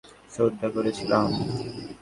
সত্যই বলিতেছি, আমি তোমাকে শ্রদ্ধা করিয়াছিলাম।